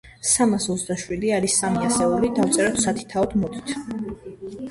სამას ოცდაშვიდი არის სამი ასეული, დავწეროთ სათითაოდ, მოდით.